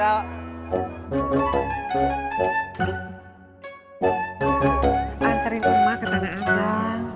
anterin emak ke tanah abang